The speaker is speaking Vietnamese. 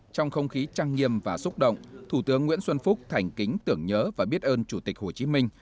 trong không khí trăng nghiêm và xúc động thủ tướng nguyễn xuân phúc thành kính tưởng nhớ và biết ơn chủ tịch hồ chí minh